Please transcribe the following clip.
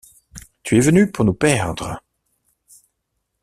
Tu es venu pour nous perdre.